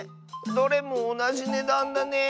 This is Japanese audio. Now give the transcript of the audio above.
どれもおなじねだんだね。